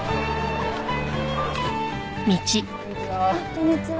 こんにちは。